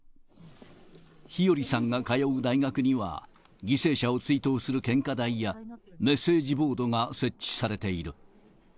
日和さんが通う大学には、犠牲者を追悼する献花台やメッセージボードが設置されている。